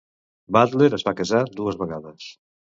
Butler es va casar dues vegades.